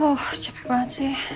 loh capek banget sih